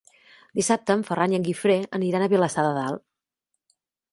Dissabte en Ferran i en Guifré aniran a Vilassar de Dalt.